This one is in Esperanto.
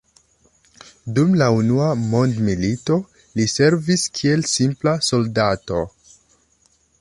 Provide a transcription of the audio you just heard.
Dum la unua mondmilito li servis kiel simpla soldato.